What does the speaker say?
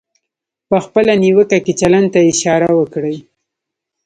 په خپله نیوکه کې چلند ته اشاره وکړئ.